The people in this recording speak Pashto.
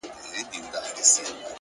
باور د عمل جرئت زیاتوي،